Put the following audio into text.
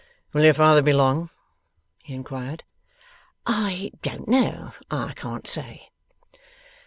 'Will your father be long?' he inquired. 'I don't know. I can't say.